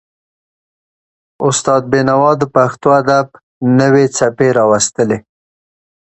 استاد بینوا د پښتو ادب نوې څپې راوستلې.